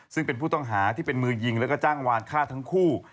ซึ่งเป็นผู้ต้องหาที่เป็นมือยิงแล้วก็จ้างวานฆ่าทั้งคู่